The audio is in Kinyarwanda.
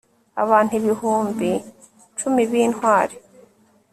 abantu ibihumbi cumi b'intwari